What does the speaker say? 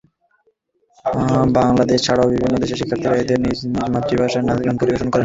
বাংলাদেশ ছাড়াও বিভিন্ন দেশের শিক্ষার্থীরা তাঁদের নিজ নিজ মাতৃভাষায় নাচ-গান পরিবেশন করেন।